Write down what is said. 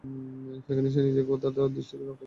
সেখানে সে নিজেকে ও তার দৃষ্টিকে রক্ষা করবে।